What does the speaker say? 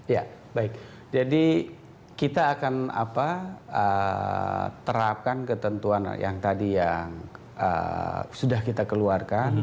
ya baik jadi kita akan terapkan ketentuan yang tadi yang sudah kita keluarkan